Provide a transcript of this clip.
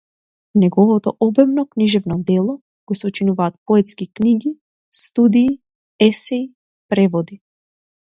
Неговото обемно книжевно дело го сочинуваат поетки книги, студии, есеи, преводи.